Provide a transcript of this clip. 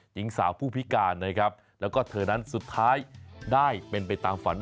หญิงสาวผู้พิการนะครับแล้วก็เธอนั้นสุดท้ายได้เป็นไปตามฝัน